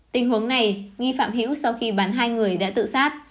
tình huống này nghi phạm hữu sau khi bắn hai người đã tự sát